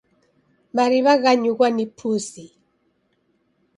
Mariw'a ghanyughwa ni pusi.